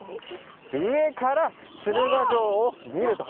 上から鶴ヶ城を見ると。